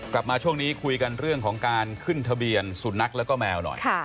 กลับมาช่วงนี้คุยกันเรื่องของการขึ้นทะเบียนสุนัขแล้วก็แมวหน่อย